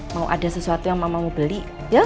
mau ada sesuatu yang mama mau beli ya